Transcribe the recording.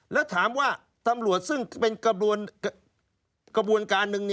แล้วถามว่าตำรวจซึ่งเป็นกระบวนการหนึ่ง